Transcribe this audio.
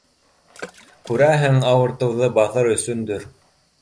Күрәһең, ауыртыуҙы баҫыр өсөндөр.